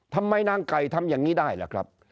ทำไมนางไก่ทำอย่างนี้ได้ล่ะครับ